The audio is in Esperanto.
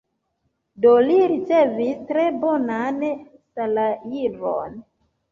Do li ricevis tre bonan salajron.